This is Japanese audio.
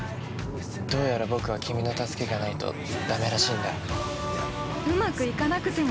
どうやら、僕は君の助けがないとだめらしいんだ。